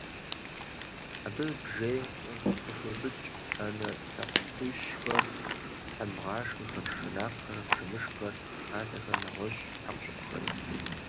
Абы бжейм къыхещӀыкӀ Ӏэнэ лъакъуищхэр, хьэмгъашхэхэр, шынакъхэр, бжэмышххэр, фалъэхэр, нэгъуэщӀ хьэкъущыкъухэри .